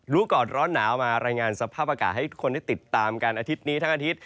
รู้ก่อนร้อนหนาวมารายงานสภาพอากาศให้ทุกคนได้ติดตามกันอาทิตย์นี้ทั้งอาทิตย